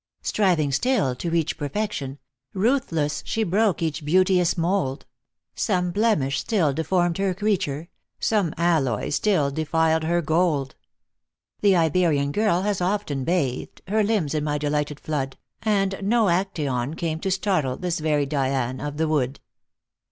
Striving still to reach perfection, Ruthless, she broke each beauteous mould; Some blemish still deformed her creature, Some alloy still defiled her gold. The Iberian girl has often bathed, Her limbs in my delighted flood, And no Acteon came to startle This very Dian of the wood.